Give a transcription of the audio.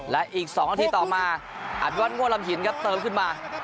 และอีก๒นาทีต่อมาอธิวัฒมั่วลำหินครับเติมขึ้นมา